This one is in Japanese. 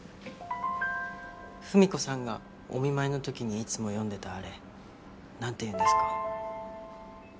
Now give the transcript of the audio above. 史子さんがお見舞いの時にいつも読んでたあれなんていうんですか？